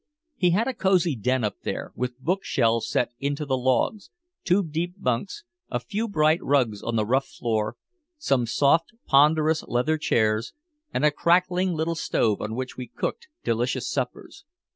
He had a cozy den up there, with book shelves set into the logs, two deep bunks, a few bright rugs on the rough floor, some soft, ponderous leather chairs and a crackling little stove on which we cooked delicious suppers.